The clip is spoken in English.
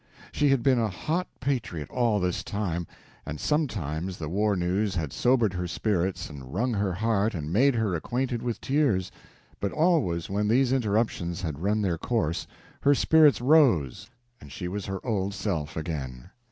She had been a hot patriot all this time, and sometimes the war news had sobered her spirits and wrung her heart and made her acquainted with tears, but always when these interruptions had run their course her spirits rose and she was her old self again.